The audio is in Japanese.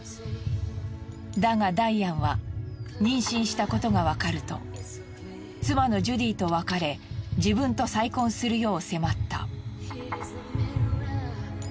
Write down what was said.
だがダイアンは妊娠したことがわかると妻のジュディと別れ自分と再婚するよう迫った。